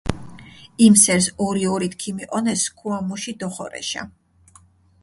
იმ სერს ორი-ორით ქიმიჸონეს სქუა მუში დოხორეშა.